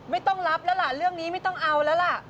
ไม่ต้องรับแล้วล่ะเรื่องนี้ไม่ต้องเอาแล้วล่ะ